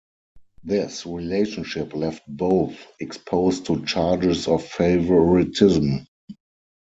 This relationship left both exposed to charges of favoritism.